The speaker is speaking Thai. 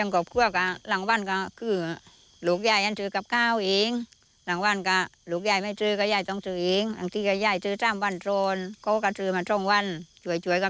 เขาก็มันซื้อมาตรงวันช่วยกันฝั่งนั้นแล้วกี้อยู่กันหลายคน